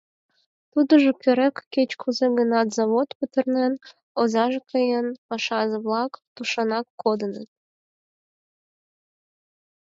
Тудыжо керек, кеч-кузе гынат завод петырнен, озаже каен, пашазе-влак тушанак кодыныт.